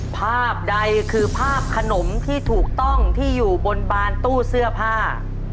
ภาพใดคือภาพขนมที่ถูกต้องที่อยู่บนบานตู้เสื้อผ้า